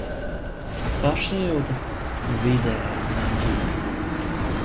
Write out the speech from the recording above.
Pašsajūta - vidēji draņķīga.